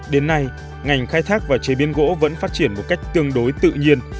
đến nay ngành khai thác và chế biến gỗ vẫn phát triển một cách tương đối tự nhiên